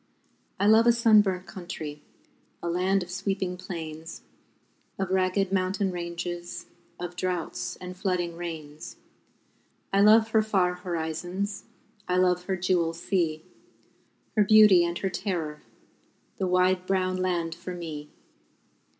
I love a sunburnt country, A land of sweeping plains, Of ragged mountain ranges, Of droughts and flooding rains. I love her far horizons, I love her jewel sea, Her beauty and her terror The wide brown land for me!